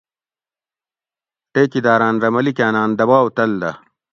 ٹیکیداۤراۤن رہ ملیکاۤناۤن دباؤ تل دہ